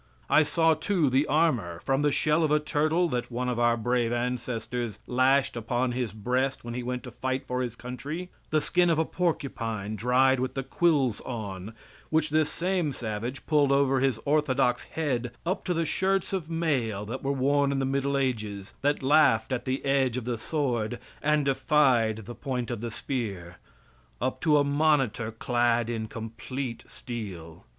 I saw too, the armor from the shell of a turtle that one of our brave ancestors lashed upon his breast when he went to fight for his country, the skin of a porcupine, dried with the quills on, which this same savage pulled over his orthodox head, up to the shirts of mail that were worn in the middle ages, that laughed at the edge of the sword and defied the point of the spear; up to a monitor clad in complete steel.